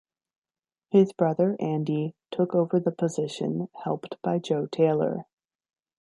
His brother, Andy, took over the position, helped by Joe Taylor.